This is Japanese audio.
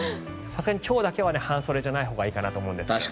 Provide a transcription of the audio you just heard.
さすがに今日だけは半袖じゃないほうがいいと思います。